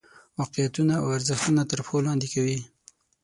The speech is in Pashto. واقعیتونه او ارزښتونه تر پښو لاندې کوي.